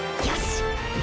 よし！